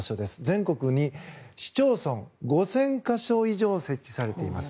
全国の市町村５０００か所以上設置されています。